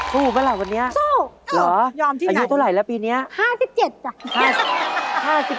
สู้เปล่าวันนี้หรืออายุเท่าไหร่ละปีนี้ยอมที่ไหน